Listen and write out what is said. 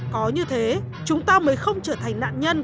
có như thế chúng ta mới không trở thành nạn nhân